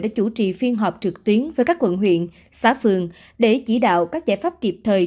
đã chủ trì phiên họp trực tuyến với các quận huyện xã phường để chỉ đạo các giải pháp kịp thời